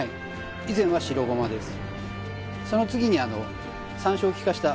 以前は白ごまです